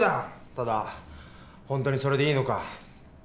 ただほんとにそれでいいのか。